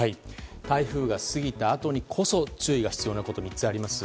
台風が過ぎたあとにこそ注意が必要なことが３つあります。